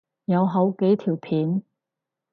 有好幾條片